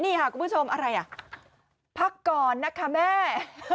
นี่ค่ะคุณผู้ชมอะไรอ่ะพักก่อนนะคะแม่